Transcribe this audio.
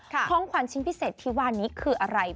ของขวัญชิ้นพิเศษที่ว่านี้คืออะไร